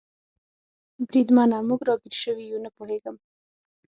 بریدمنه، موږ را ګیر شوي یو؟ نه پوهېږم.